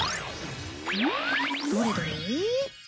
どれどれ。